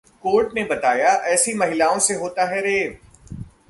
court ने बताया, ऐसी महिलाओं से होता है रेप